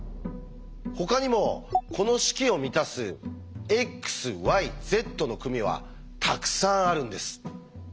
ほかにもこの式を満たす「ｘｙｚの組」はたくさんあるんです。